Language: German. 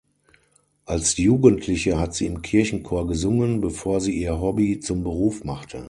Als Jugendliche hat sie im Kirchenchor gesungen, bevor sie ihr Hobby zum Beruf machte.